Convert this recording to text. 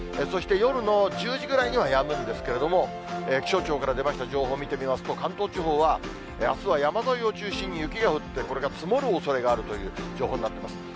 そして、夜の１０時ぐらいにはやむんですけれども、気象庁から出ました情報見てみますと、関東地方はあすは山沿いを中心に雪が降って、これが積もるおそれがあるという情報になっています。